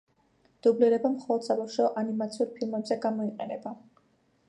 დუბლირება მხოლოდ საბავშვო ანიმაციურ ფილმებზე გამოიყენება.